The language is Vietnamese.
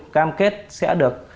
cam kết sẽ được